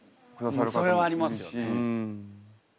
それはありますよね。